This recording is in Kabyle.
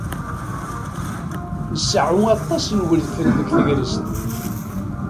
Nseɛɛu aṭas n wedfel deg tegrest.